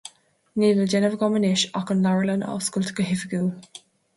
Níl le déanamh agam anois ach an leabharlann a oscailt go hoifigiúil.